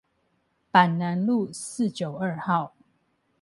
板南路四九二號